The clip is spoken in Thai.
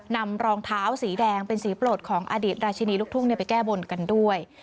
นำรองเท้าสีแดงเป็นสีโปรดของอดีตราชินีลูกทุ่งไปแก้บนกันด้วย